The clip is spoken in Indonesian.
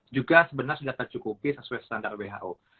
juga sebenarnya sudah tercukupi sesuai standar who